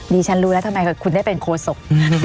ฉันรู้แล้วทำไมคุณได้เป็นโคศก